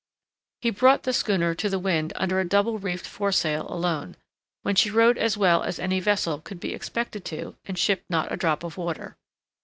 He brought the schooner to the wind under a double reefed foresail alone, when she rode as well as any vessel could be expected to do, and shipped not a drop of water.